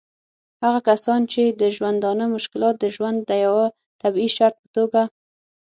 هغه کسان چې د ژوندانه مشکلات د ژوند د یوه طبعي شرط په توګه